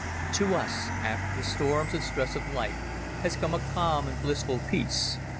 To us, after the storms and stress of life, has come a calm and blissful peace.